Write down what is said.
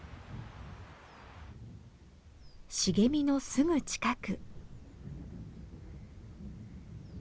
茂みのすぐ近く。